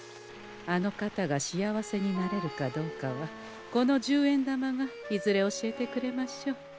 あの方が幸せになれるかどうかはこの十円玉がいずれ教えてくれましょう。